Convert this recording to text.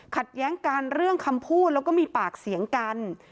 แย้งกันเรื่องคำพูดแล้วก็มีปากเสียงกัน